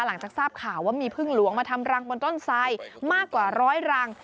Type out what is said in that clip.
หลังจากทราบข่าวว่ามีพึ่งหลวงมาทำรังบนต้นไทมากกว่าร้อยรัง